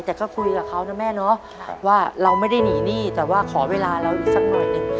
แต่ก็คุยกับเขานะแม่เนาะว่าเราไม่ได้หนีหนี้แต่ว่าขอเวลาเราอีกสักหน่อยหนึ่ง